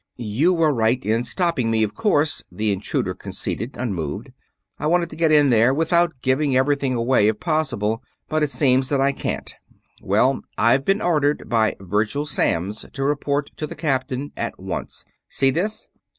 "You were right in stopping me, of course," the intruder conceded, unmoved. "I wanted to get in there without giving everything away, if possible, but it seems that I can't. Well, I've been ordered by Virgil Samms to report to the Captain, at once. See this?